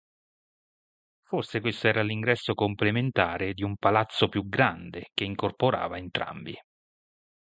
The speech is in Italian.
Forse questo era l'ingresso complementare di un palazzo più grande che incorporava entrambi.